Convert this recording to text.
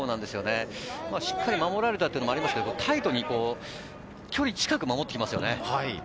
しっかり守られたというのもありましたが、タイトに距離近く守ってきますよね。